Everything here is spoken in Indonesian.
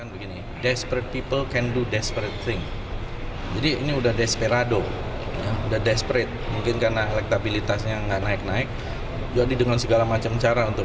biasanya justru yang paling elegan